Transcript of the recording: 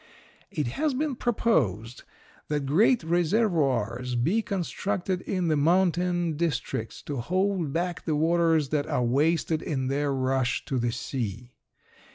It has been proposed that great reservoirs be constructed in the mountain districts to hold back the waters that are wasted in their rush to the sea.